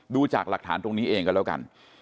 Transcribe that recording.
ดูจากหลักฐานตรงนี้เองก็แล้วกัน